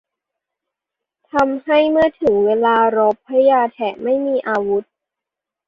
ทำให้เมื่อถึงเวลารบ พญาแถนไม่มีอาวุธ